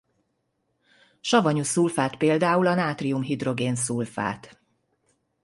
Savanyú szulfát például a nátrium-hidrogén-szulfát.